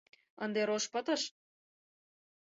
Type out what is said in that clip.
Ынде рож пытыш?..